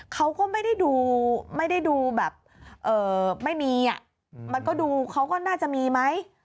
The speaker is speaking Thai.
เขาก็ไม่ได้ดูแบบไม่มีมันดูเค้าก็น่าจะมีไหม